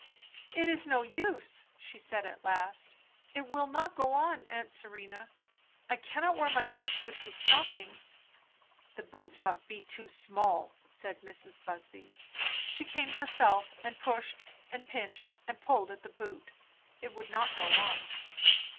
"It is no use," she said at last. "It will not go on, aunt Serena. I cannot wear my boots with these stockings." "The boots must be too small," said Mrs. Busby. She came herself, and pushed and pinched and pulled at the boot. It would not go on.